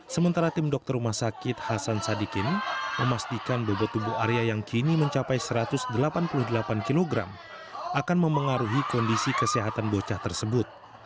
sementara tim dokter rumah sakit hasan sadikin memastikan bobot tubuh arya yang kini mencapai satu ratus delapan puluh delapan kg akan memengaruhi kondisi kesehatan bocah tersebut